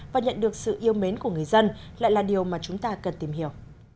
và nhận được sự yêu mến của người dân lại là điều mà chúng ta cần tìm hiểu